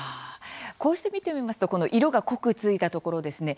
こうして見てみますと色が濃くついたところですね